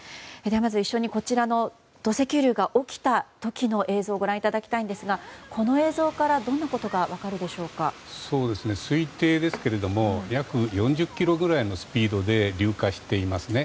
まず一緒にこちらの土石流が起きた時の映像をご覧いただきたいんですがこの映像から推定ですけれども約４０キロくらいのスピードで流下していますね。